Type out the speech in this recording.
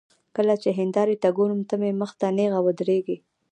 کله چې هندارې ته ګورم، ته مې مخ ته نېغه ودرېږې